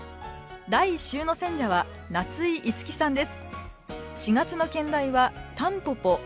第１週の選者は夏井いつきさんです。